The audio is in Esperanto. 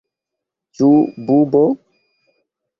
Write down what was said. Ĉu bubo?